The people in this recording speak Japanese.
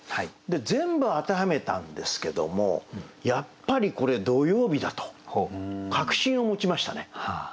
全部当てはめたんですけどもやっぱりこれ土曜日だと確信を持ちましたね。